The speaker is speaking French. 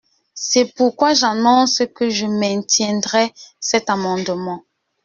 C’est pourquoi j’annonce que je maintiendrai cet amendement.